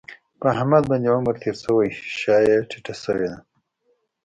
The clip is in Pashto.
په احمد باندې عمر تېر شوی شا یې ټیټه شوې ده.